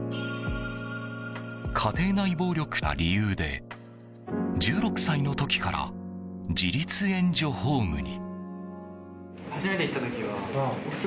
家庭内暴力が理由で１６歳の時から自立援助ホームに。